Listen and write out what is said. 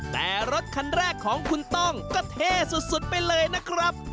แต่รถคันแรกของคุณต้องก็เท่สุดไปเลยนะครับ